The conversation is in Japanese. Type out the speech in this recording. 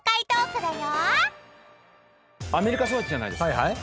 アメリカ育ちじゃないですか。